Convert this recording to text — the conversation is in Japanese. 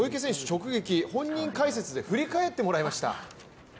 直撃本人解説で振り返ってもらいました。